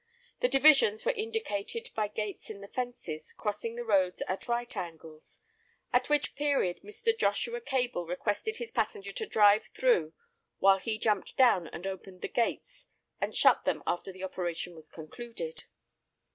The divisions were indicated by gates in the fences crossing the roads at right angles, at which period Mr. Joshua Cable requested his passenger to drive through while he jumped down and opened the gates and shut them after the operation was concluded.